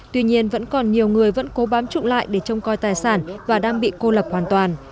tuy nhiên vẫn còn nhiều người vẫn cố bám trụ lại để trông coi tài sản và đang bị cô lập hoàn toàn